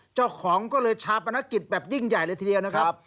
เจ้าของก็เลยชาปนกิจแบบยิ่งใหญ่เลยทีเดียวนะครับ